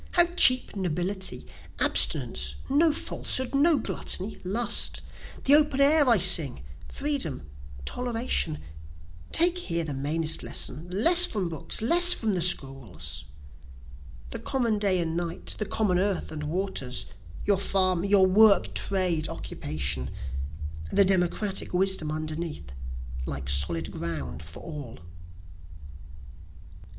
how cheap nobility! Abstinence, no falsehood, no gluttony, lust; The open air I sing, freedom, toleration, (Take here the mainest lesson less from books less from the schools,) The common day and night the common earth and waters, Your farm your work, trade, occupation, The democratic wisdom underneath, like solid ground for all.